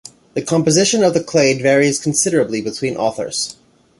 The composition of the clade varies considerably between authors.